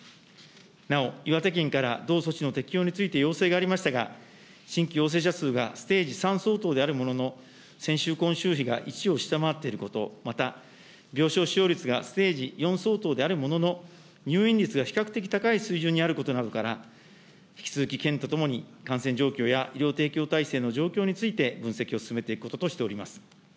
なお、岩手県から同措置の適用について要請がありましたが、新規陽性者数がステージ３相当であるものの、先週、今週比が１を下回っていること、また病床使用率がステージ４相当であるものの、入院率が比較的高い水準にあることなどから、引き続き県とともに感染状況や、医療提供体制の状況について、分析を進めていくこととしております。